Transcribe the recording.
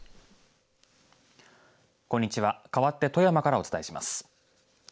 こんにちはかわって富山からお伝えします。